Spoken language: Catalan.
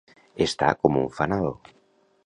Estar com un fanal.